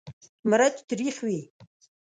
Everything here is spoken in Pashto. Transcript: مرچ تریخ وي.